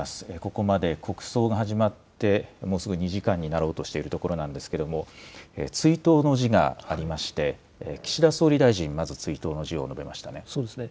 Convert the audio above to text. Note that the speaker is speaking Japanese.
ここまで国葬が始まってもうすぐ２時間になろうとしているところなんですけれども、追悼の辞がありまして、岸田総理大臣、まず追そうですね。